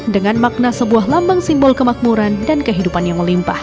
dengan makna sebuah lambang simbol kemakmuran dan kehidupan yang melimpah